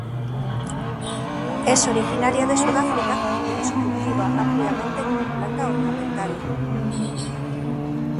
Es originaria de Sudáfrica, pero se cultiva ampliamente como planta ornamental.